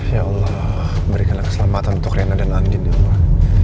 ya allah berikanlah keselamatan untuk rena dan andin yang pak